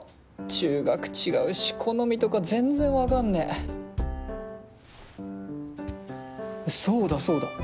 中学違うし好みとか全然分かんねえそうだそうだ。